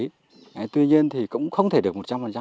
các đối tượng lâm tặc cũng không thể được một trăm linh